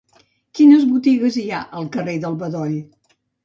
Quines botigues hi ha al carrer del Bedoll?